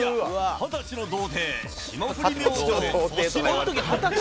二十歳の童貞霜降り明星粗品。